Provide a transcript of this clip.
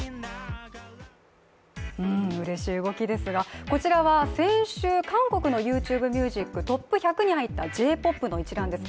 うれしい動きですが、こちらは先週韓国のＹｏｕＴｕｂｅミュージックトップ１００に入ったＪ‐ＰＯＰの一覧です。